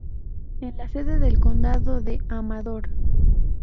Es la sede del condado de Amador.